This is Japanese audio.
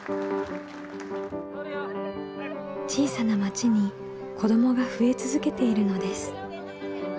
小さな町に子どもが増え続けているのです。